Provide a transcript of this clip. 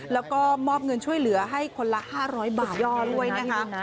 แล้วก็มอบเงินช่วยเหลือให้คนละ๕๐๐บาทย่อด้วยนะคะ